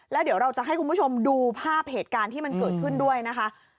แล้วเดี๋ยวเราจะให้คุณผู้ชมดูภาพเหตุการณ์ที่มันเกิดขึ้นด้วยนะคะ